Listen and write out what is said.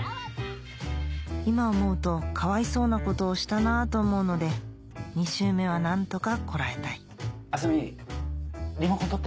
今思うとかわいそうなことをしたなぁと思うので２周目は何とかこらえたい麻美リモコン取って。